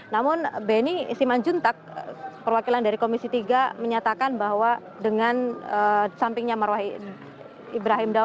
namun beni simanjuntak perwakilan dari komisi tiga menyatakan bahwa dengan sampingnya marwah ibrahim